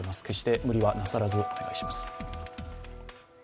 決して無理はなさらず、お願いします。